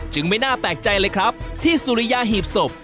ไม่น่าแปลกใจเลยครับที่สุริยาหีบศพ